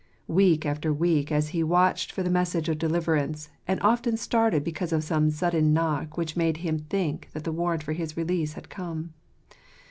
Week after week he watched for the message of deliverance, and often started because of some sudden knock which made him think that the warrant for his release had come.